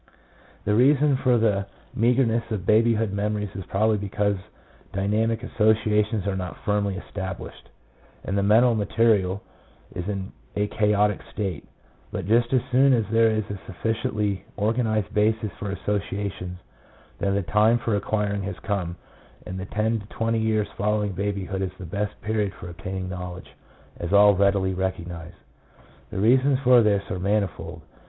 1 The reason for the meagreness of babyhood memories is probably because dynamic associations are not firmly established, 2 and the mental material is in a chaotic state; but just as soon as there is a sufficiently organized basis for associations, then the time for acquiring has come, and the ten to twenty years following babyhood is the best period for obtaining knowledge, as all readily recognize. The reasons for this are manifold.